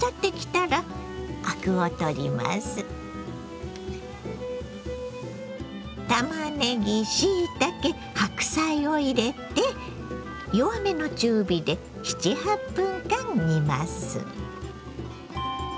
たまねぎしいたけ白菜を入れて弱めの中火で７８分間煮ます。